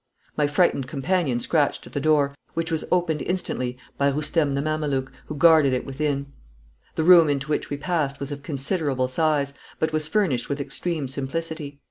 My frightened companion scratched at the door, which was opened instantly by Roustem the Mameluke, who guarded it within. The room into which we passed was of considerable size, but was furnished with extreme simplicity.